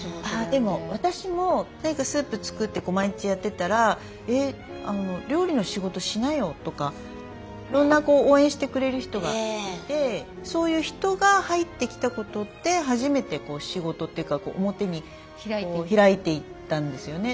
でも私も何かスープ作って毎日やってたら「料理の仕事しなよ」とかいろんな応援してくれる人がいてそういう人が入ってきたことで初めて仕事っていうか表に開いていったんですよね。